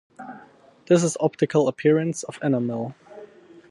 This is optical appearance of enamel.